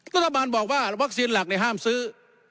รัฐบาลบอกว่าวัคซีนหลักห้ามซื้อ